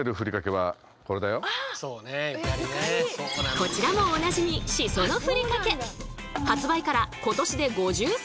こちらもおなじみしそのふりかけ！